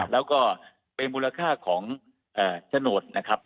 แล้วก็เป็นมูลค่าของโฉนดนะครับ